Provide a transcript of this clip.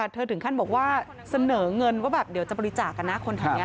นี่ค่ะเธอถึงขั้นบอกว่าเสนอเงินว่าเดี๋ยวจะบริจาคกับนักคลนี้